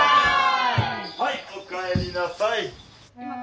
はいおかえりなさい。